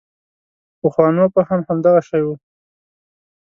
پخوانو فهم همدغه شی و.